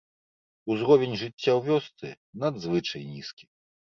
Узровень жыцця ў вёсцы надзвычай нізкі.